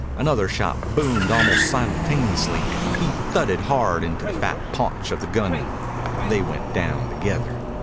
Another shot boomed almost simultaneously. He thudded hard into the fat paunch of the gunman. They went down together.